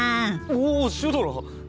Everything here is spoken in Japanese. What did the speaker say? おおシュドラ！